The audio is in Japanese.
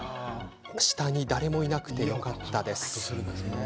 下に誰もいなくてよかったです。